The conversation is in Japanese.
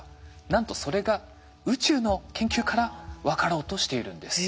なんとそれが宇宙の研究から分かろうとしているんです。